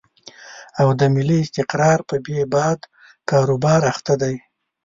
او د ملي استقرار په بې باد کاروبار اخته دي.